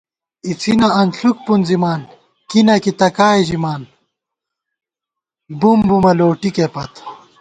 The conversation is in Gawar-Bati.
اِڅِنہ انݪُک پُنزِمان کی نہ کی تہ کائے ژِمان بُمبُمہ لوٹِکےپت